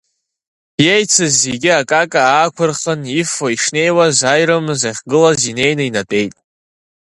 Иеицыз зегьы, акака аақәырхын, ифо ишнеиуаз, аирымӡ ахьгылаз инеины инатәеит.